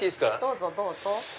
どうぞどうぞ。